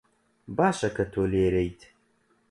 باشە کە تۆ لێرەیت.